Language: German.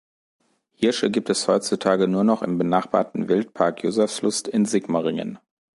Hirsche gibt es heutzutage nur noch im benachbarten Wildpark Josefslust in Sigmaringen.